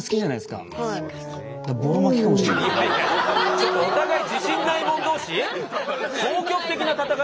ちょっとお互い自信ない者同士？